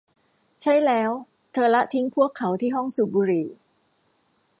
ใช่แล้วเธอละทิ้งพวกเขาที่ห้องสูบบุหรี่